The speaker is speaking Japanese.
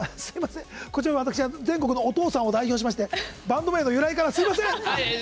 こちら、私が全国のお父さんを代表してバンド名の由来からすみません！